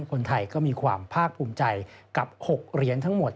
คนไทยก็มีความภาคภูมิใจกับ๖เหรียญทั้งหมด